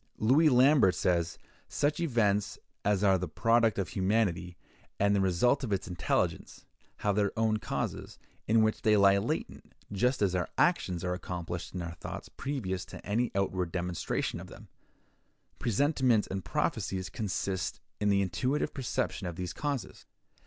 Louis Lambert says: "Such events as are the product of humanity, and the result of its intelligence, have their own causes, in which they lie latent, just as our actions are accomplished in our thoughts previous to any outward demonstration of them; presentiments and prophecies consist in the intuitive perception of these causes."